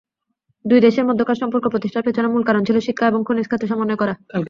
দুই দেশের মধ্যকার সম্পর্ক প্রতিষ্ঠার পেছনে মূল কারণ ছিল, শিক্ষা এবং খনিজ খাতে সমন্বয় করা।